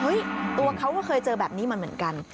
ตัวเขาก็เคยเจอแบบนี้มาเหมือนกัน